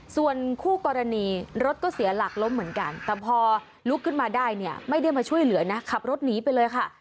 ส่วนคู่กรณีรถก็เสียหลักล้มเหมือนกันแต่พอลุกขึ้นมาได้เนี่ยไม่ได้มาช่วยเหลือนะขับรถหนีไปเลยค่ะ